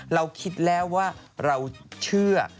เราคิดแล้วว่าเราเชื่อ